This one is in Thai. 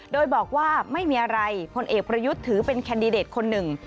โดยบอกว่าไม่มีอะไรพลเอกประยุทธ์ถือเป็นแคนดิเดตคนหนึ่ง